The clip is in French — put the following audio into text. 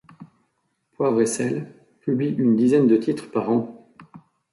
Poivre & Sel publie une dizaine de titres par an.